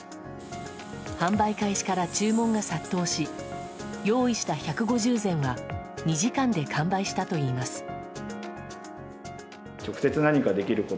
販売開始から注文が殺到し用意した１５０膳が２時間で完売したといいます。